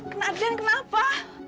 kena adrian kenapa